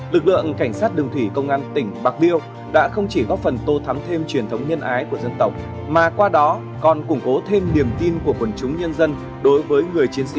lực lượng cảnh sát đường thủy công an tỉnh bạc liêu đã không chỉ góp phần tô thắm thêm truyền thống nhân ái của dân tộc mà qua đó còn củng cố thêm niềm tin của quần chúng nhân dân đối với người chiến sĩ